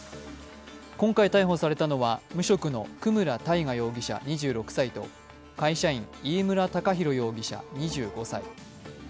今回逮捕されたのは無職の久村大賀容疑者２６歳と会社員、飯村昂央容疑者２５歳。